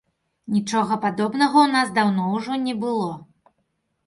Нічога падобнага ў нас даўно ўжо не было.